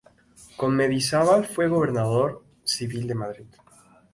Con Mendizábal fue gobernador civil de Madrid.